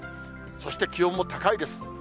そして気温も高いです。